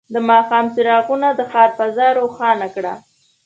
د ماښام څراغونه د ښار فضا روښانه کړه.